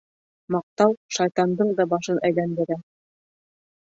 Маҡтау шайтандың да башын әйләндерә.